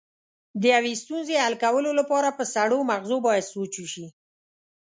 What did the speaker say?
د یوې ستونزې حل کولو لپاره په سړو مغزو باید سوچ وشي.